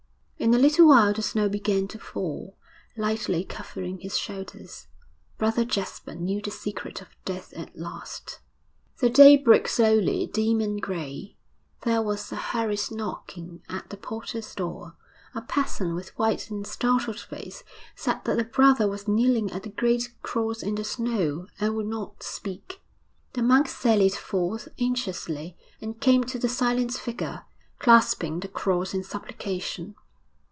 In a little while the snow began to fall, lightly covering his shoulders. Brother Jasper knew the secret of death at last. VIII The day broke slowly, dim and grey. There was a hurried knocking at the porter's door, a peasant with white and startled face said that a brother was kneeling at the great cross in the snow, and would not speak. The monks sallied forth anxiously, and came to the silent figure, clasping the cross in supplication.